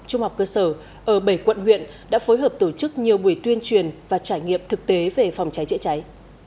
trung học cơ sở ở bảy quận huyện đã phối hợp tổ chức nhiều buổi tuyên truyền và trải nghiệm thực tế về phòng cháy chữa cháy